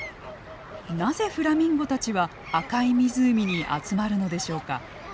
なぜフラミンゴたちは赤い湖に集まるのでしょうか？